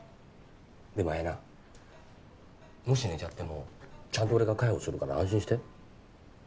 でもあやなもし寝ちゃってもちゃんと俺が介抱するから安心して。